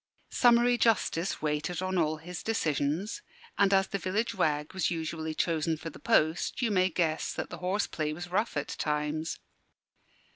Summary justice waited on all his decisions; and as the village wag was usually chosen for the post, you may guess that the horse play was rough at times.